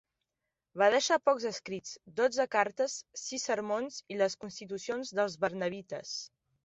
Va deixar pocs escrits: dotze cartes, sis sermons i les constitucions dels barnabites.